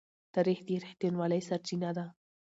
تاریخ د رښتینولۍ سرچینه ده.